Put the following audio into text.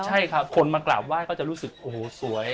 ใช่ครับคนมากราบไห้ก็จะรู้สึกโอ้โหสวย